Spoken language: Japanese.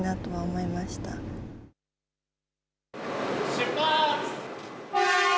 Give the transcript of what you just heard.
出発！